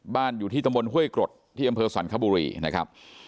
บ้านอยู่ที่ตำรวจเฮ้ยกรดที่อำเภอสันคบุรีนะครับ